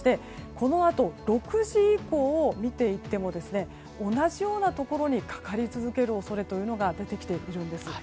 このあと６時以降を見ていっても同じようなところにかかり続ける恐れが出てきているんです。